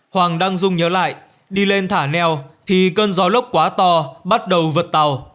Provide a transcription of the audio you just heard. hoàng đăng dung nhớ lại đi lên thả neo thì cơn gió lốc quá to bắt đầu vượt tàu